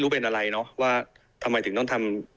แล้ววิ่งไปตั้งใจจะถามคนขับแท็กซี่ว่ามาทุบรถเขาทำไม